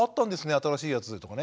新しいやつ」とかね。